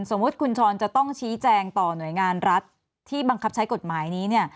สมมุติคุณชรจะต้องชี้แจงต่อหน่วยงานรัฐที่บังคับใช้กฎหมายนี้เนี่ย